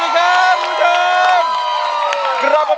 สวัสดีค่ะคุณผู้ชม